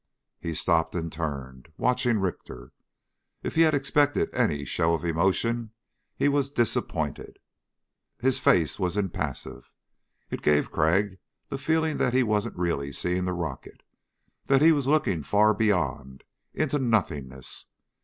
He stopped and turned, watching Richter. If he had expected any show of emotion he was disappointed. His face was impassive. It gave Crag the feeling that he wasn't really seeing the rocket that he was looking far beyond, into nothingness.